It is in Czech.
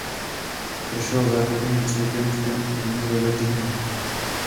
Prošel základním výcvikem v Camp Lee ve Virginii.